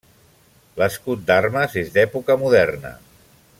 L'escut d'armes és d'època moderna.